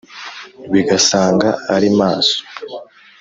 bigasanga ari maso